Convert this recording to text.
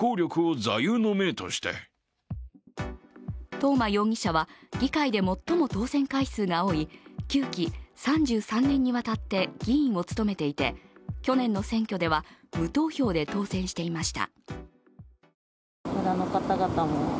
東間容疑者は議会で最も当選回数が多い、９期３３年にわたって議員を務めていて去年の選挙では無投票で当選していました。